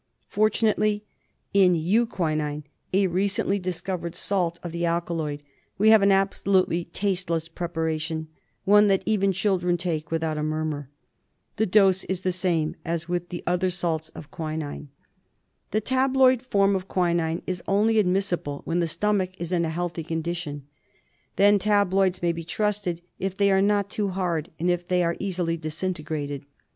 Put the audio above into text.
Fortunately in euquinine, a recently discovered salt of the alkaloid, we have an absolutely tasteless preparation, one that even children take without a murmur. The dose is the same as for the other salts of quinine. The tabloid form of quinine is only admissible when the stomach is in a healthy condition. Then tabloids may be trusted if they are not too hard, and if they are easily disintegrated.